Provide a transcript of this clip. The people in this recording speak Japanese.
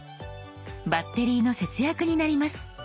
バッテリーの節約になります。